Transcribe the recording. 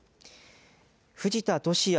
藤田聖也